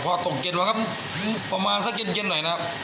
พอตกเย็นมาครับประมาณสักเย็นหน่อยนะครับ